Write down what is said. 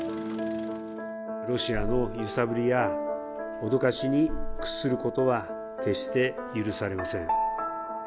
ロシアの揺さぶりや脅かしに屈することは、決して許されません。